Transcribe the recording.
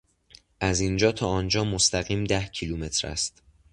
از اینجا تا آنجا مستقیم ده کیلومتر است.